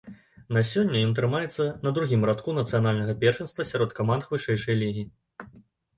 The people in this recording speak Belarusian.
На сёння ён трымаецца на другім радку нацыянальнага першынства сярод каманд вышэйшай лігі.